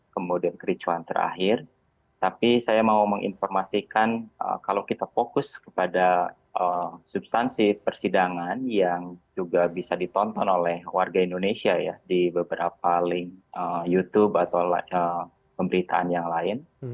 kemudian kericuan terakhir tapi saya mau menginformasikan kalau kita fokus kepada substansi persidangan yang juga bisa ditonton oleh warga indonesia ya di beberapa link youtube atau pemberitaan yang lain